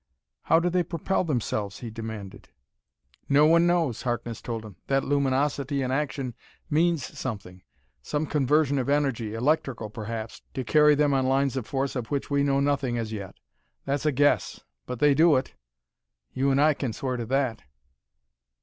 "How do they propel themselves?" he demanded. "No one knows," Harkness told him. "That luminosity in action means something some conversion of energy, electrical, perhaps, to carry them on lines of force of which we know nothing as yet. That's a guess but they do it. You and I can swear to that."